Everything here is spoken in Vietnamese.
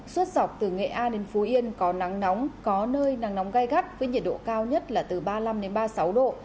suốt dọc từ nghệ an đến phú yên có nắng nóng có nơi nắng nóng gai gắt với nhiệt độ cao nhất là từ ba mươi năm ba mươi sáu độ